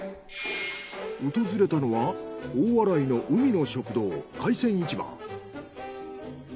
訪れたのは大洗の海の食堂海鮮市場。